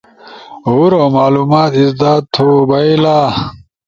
ہورو معلومات ازدا تھو بھئیلا